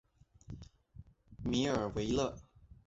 米尔维勒。